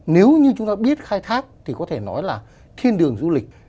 nếu như chúng ta biết khai thác thì có thể nói là thiên đường du lịch